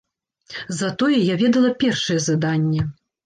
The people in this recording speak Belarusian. Затое я ведала першае заданне.